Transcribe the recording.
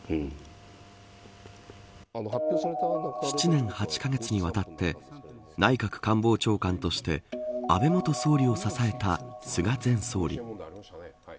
７年８カ月にわたって内閣官房長官として安倍元総理を支えた菅前総理。